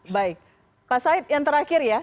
baik pak said yang terakhir ya